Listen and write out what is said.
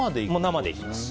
生でいきます。